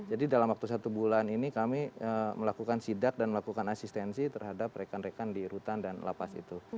jadi dalam waktu satu bulan ini kami melakukan sidak dan melakukan asistensi terhadap rekan rekan di rutan dan lapas itu